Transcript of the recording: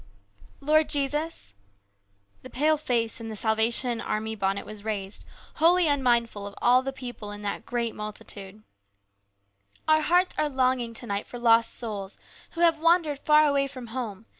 LORD JESUS," the pale face in the Salvation Army bonnet was raised, wholly unmindful of all the people in that great multitude, " our hearts are longing to night for lost souls, who have wandered far away from home.